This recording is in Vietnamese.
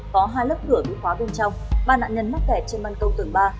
có hai lớp cửa bị khóa bên trong ba nạn nhân mắc kẹt trên măn câu tầng ba